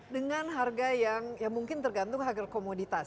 dengan harga yang mungkin tergantung harga komoditas